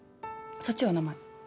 そっちは名前。